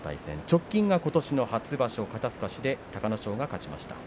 直近がことしの初場所、肩すかし隆の勝が勝ちました。